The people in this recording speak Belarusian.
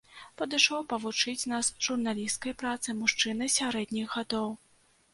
Падышоў павучыць нас журналісцкай працы мужчына сярэдніх гадоў.